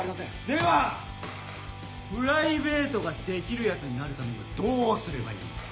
ではプライベートができるヤツになるためにはどうすればいいのか。